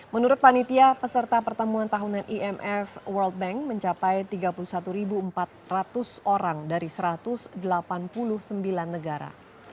menurut panitia peserta pertemuan tahunan imf world bank mencapai tiga puluh satu empat ratus orang dari satu ratus delapan puluh sembilan negara